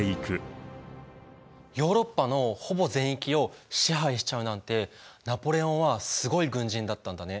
ヨーロッパのほぼ全域を支配しちゃうなんてナポレオンはすごい軍人だったんだね。